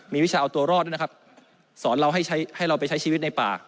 มีวิชาเอาตัวรอดด้วยนะครับสอนเราให้ใช้ให้เราไปใช้ชีวิตในป่า